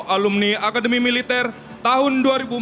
alumni akademi militer tahun dua ribu empat belas